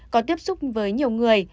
có tiếp xúc với nhiều người